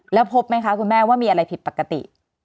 แล้วพบไหมคะคุณแม่ว่ามีอะไรผิดปกติ